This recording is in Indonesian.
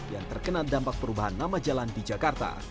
yang terkena dampak perubahan nama jalan di jakarta